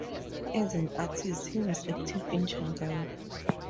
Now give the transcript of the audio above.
As an artist, he was active in Shanghai.